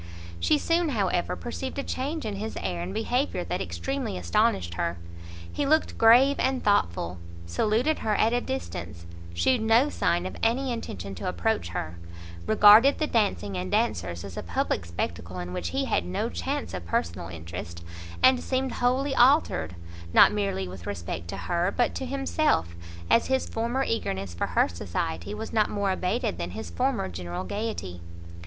She soon, however, perceived a change in his air and behaviour that extremely astonished her; he looked grave and thoughtful, saluted her at a distance, shewed no sign of any intention to approach her, regarded the dancing and dancers as a public spectacle in which he had no chance of personal interest, and seemed wholly altered, not merely with respect to her, but to himself, as his former eagerness for her society was not more abated than [his] former general gaiety.